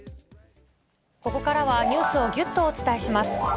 ここからはニュースをぎゅっとお伝えします。